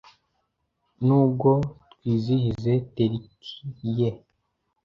Nubwo twizihize teriki ye